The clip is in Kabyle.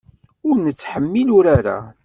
Ur nettḥemmil urar-a.